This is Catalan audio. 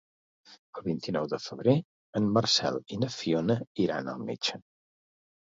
El vint-i-nou de febrer en Marcel i na Fiona iran al metge.